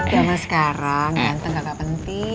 cuma sekarang ganteng kakak penting